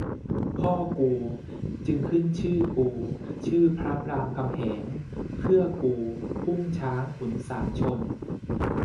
พ่อกูจึงขึ้นชื่อกูชื่อพระรามคำแหง เพื่อกูพุ่งช้างขุนสามชน